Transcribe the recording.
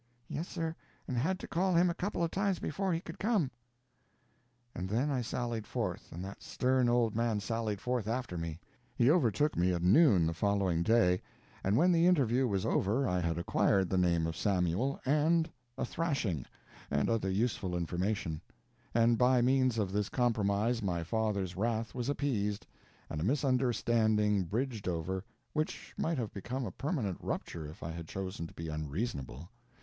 "Yes, sir, and had to call him a couple times before he could come!" And then I sallied forth, and that stern old man sallied forth after me. He overtook me at noon the following day, and when the interview was over I had acquired the name of Samuel, and a thrashing, and other useful information; and by means of this compromise my father's wrath was appeased and a misunderstanding bridged over which might have become a permanent rupture if I had chosen to be unreasonable.